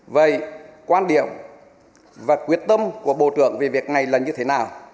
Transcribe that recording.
vậy quan điểm và quyết tâm của bộ trưởng về việc này là như thế nào